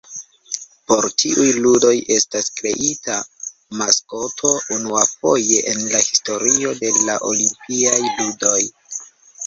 Por tiuj ludoj estas kreita maskoto unuafoje en la historio de la Olimpiaj ludoj.